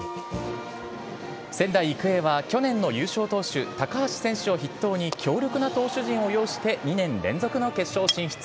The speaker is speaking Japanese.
仙台育英は去年の優勝投手、高橋選手を筆頭に強力な投手陣を擁して、２年連続の決勝進出。